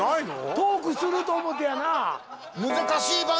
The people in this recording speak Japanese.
トークすると思ってやな